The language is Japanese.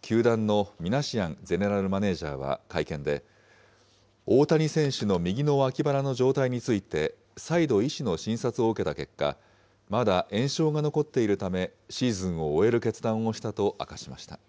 球団のミナシアンゼネラルマネージャーは会見で、大谷選手の右の脇腹の状態について、再度医師の診察を受けた結果、まだ炎症が残っているため、シーズンを終える決断をしたと明かしました。